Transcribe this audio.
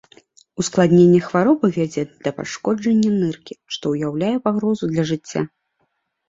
Ускладненне хваробы вядзе да пашкоджання ныркі, што ўяўляе пагрозу для жыцця.